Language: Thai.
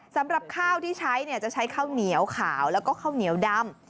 สำหรับข้าวที่ใช้จะใช้ข้าวเหนียวขาวแล้วก็ข้าวเหนียวดำ